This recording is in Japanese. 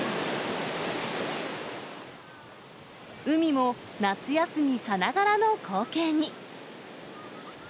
海も夏休みさながらの光景に。